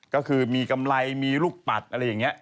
ก็คือมีกำไรมีลูกปัดอะไรอย่างนี้